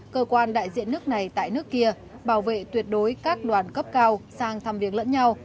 cơ quan đại diện nước này tại nước kia bảo vệ tuyệt đối các đoàn cấp cao sang thăm viếng lẫn nhau